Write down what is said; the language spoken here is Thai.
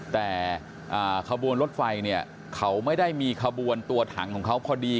แต่ขบวนรถไฟเนี่ยเขาไม่ได้มีขบวนตัวถังของเขาพอดี